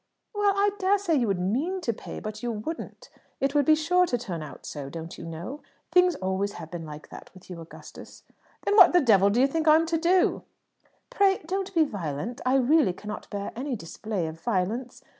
"Well, I dare say you would mean to pay, but you wouldn't. It would be sure to turn out so, don't you know? Things always have been like that with you, Augustus." "Then what the devil do you think I'm to do?" "Pray don't be violent! I really cannot bear any display of violence.